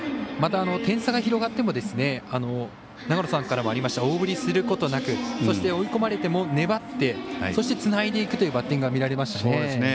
また、点差が広がっても長野さんからもありましたが大振りすることなくそして、追い込まれても粘って、そして、つないでいくというバッティングが見られましたね。